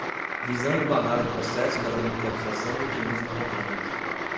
visando barrar o processo da democratização em que nos encontramos